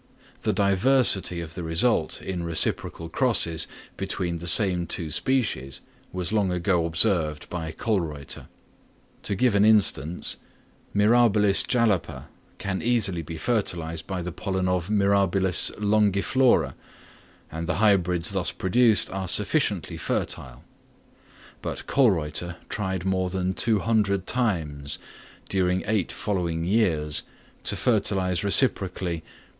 The diversity of the result in reciprocal crosses between the same two species was long ago observed by Kölreuter. To give an instance: Mirabilis jalapa can easily be fertilised by the pollen of M. longiflora, and the hybrids thus produced are sufficiently fertile; but Kölreuter tried more than two hundred times, during eight following years, to fertilise reciprocally M.